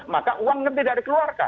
maka uangnya tidak dikeluarkan